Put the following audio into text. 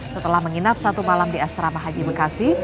setelah menginap satu malam di asrama haji bekasi